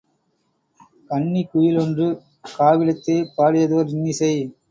கன்னிக் குயிலொன்று காவிடத்தே பாடியதோர் இன்னிசை